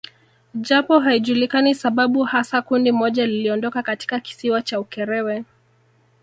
Japo haijulikani sababu hasa kundi moja liliondoka katika kisiwa cha Ukerewe